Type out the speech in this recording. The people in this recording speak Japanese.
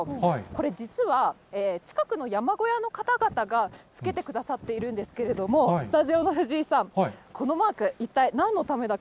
これ実は、近くの山小屋の方々がつけてくださっているんですけれども、スタジオの藤井さん、このマーク、えっ？